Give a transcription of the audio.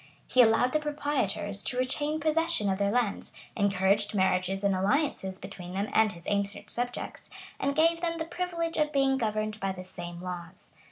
He allowed the proprietors to retain possession of their lands, encouraged marriages and alliances between them and his ancient subjects, and gave them the privilege of being governed by the same laws.